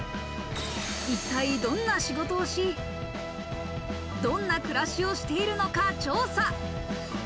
一体どんな仕事をし、どんな暮らしをしているのか調査。